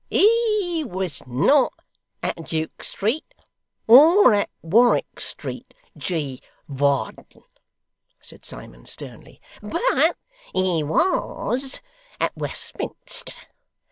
'He was not at Duke Street, or at Warwick Street, G. Varden,' said Simon, sternly; 'but he WAS at Westminster.